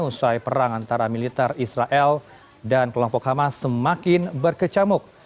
usai perang antara militer israel dan kelompok hamas semakin berkecamuk